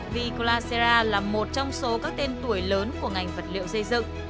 vì colacera là một trong số các tên tuổi lớn của ngành vật liệu xây dựng